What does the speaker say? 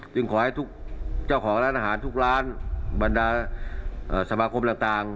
ขอให้ทุกเจ้าของร้านอาหารทุกร้านบรรดาสมาคมต่าง